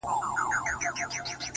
• و تاته د جنت حوري غلمان مبارک ـ